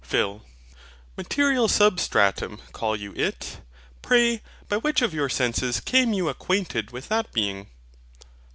PHIL. MATERIAL SUBSTRATUM call you it? Pray, by which of your senses came you acquainted with that being?